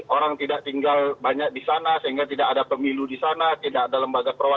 orang tidak tinggal banyak di sana sehingga tidak ada pemilu di sana tidak ada lembaga perwakilan